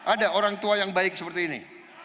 ada orang tua yang baik seperti ini